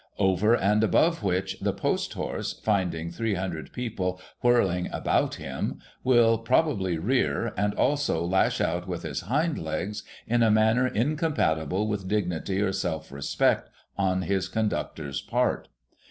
Over and above which, the post horse, finding three hundred people whirling about him, will probably rear, and also lash out with his hind legs, in a manner incompatible with dignity or self respect on his conductor's part.